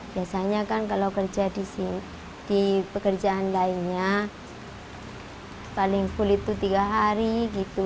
biasanya kan kalau kerja di pekerjaan lainnya paling full itu tiga hari gitu